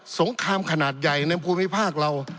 งครามขนาดใหญ่ในภูมิภาคเรา